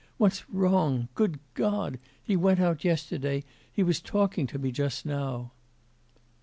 What's wrong? Good God! He went out yesterday, he was talking to me just now.